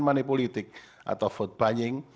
money politik atau vote buying